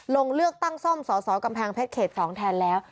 ลงเลือกตั้งซ่อมสสกำแพงเพชรเขต๒แทนแล้ว